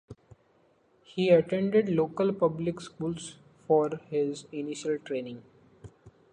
He attended local public schools for his initial training.